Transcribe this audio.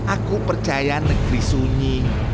aku percaya negeri sunyi